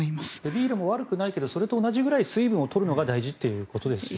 ビールも悪くないけどそれと同じくらい水分を取ることが大事ということですよね。